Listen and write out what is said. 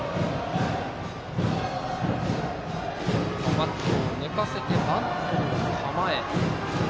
バットを寝かせてバントの構え。